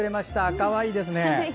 かわいいですね！